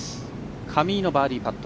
上井のバーディーパット。